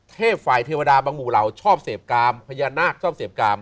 เทพฝ่ายเทวดาบังบูราวชอบเสพกามพญานาคชอบเสพกาม